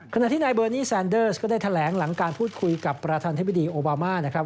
ขณะที่นายเบอร์นี่แซนเดอร์สก็ได้แถลงหลังการพูดคุยกับประธานธิบดีโอบามานะครับ